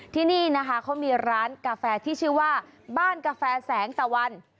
ที่นี่นะคะเขามีร้านกาแฟที่ชื่อว่าบ้านกาแฟแสงตะวัน